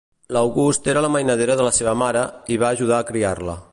L'August era la mainadera de la seva mare i va ajudar a criar-la.